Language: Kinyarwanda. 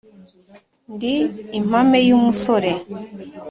Ndi impame y'umusore